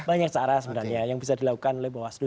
banyak cara sebenarnya yang bisa dilakukan oleh bawaslu